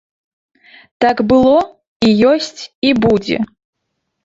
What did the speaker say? Так было, і ёсць, і будзе.